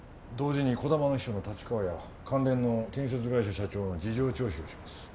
同時に児玉の秘書の太刀川や関連の建設会社社長は事情聴取をします。